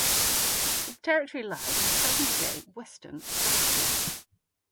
Its territory lies in present-day western Slovakia.